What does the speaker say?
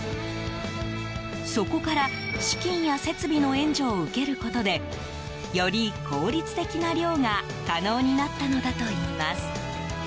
そこから資金や設備の援助を受けることでより効率的な漁が可能になったのだといいます。